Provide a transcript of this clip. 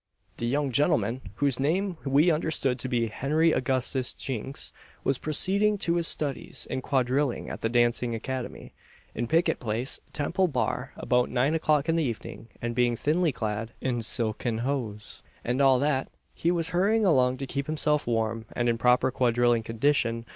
The young gentleman, whose name we understood to be Henry Augustus Jinks, was proceeding to his studies in quadrilling at the dancing academy, in Pickett place, Temple Bar, about nine o'clock in the evening; and being thinly clad, in silken hose, and all that, he was hurrying along to keep himself warm and in proper quadrilling condition.